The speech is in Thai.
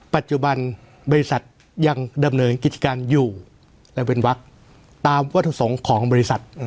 ปัจจุบันบริษัทยังดำเนินกิจการอยู่และเว้นวักตามวัตถุประสงค์ของบริษัท